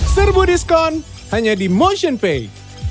serbu diskon hanya di motionpay